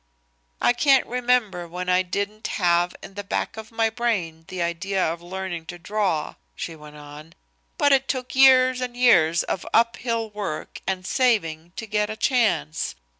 "I can't remember when I didn't have in the back of my brain the idea of learning to draw," she went on, "but it took years and years of uphill work and saving to get a chance.